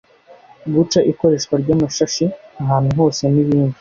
guca ikoreshwa ry’amashashi ahantu hose n’ibindi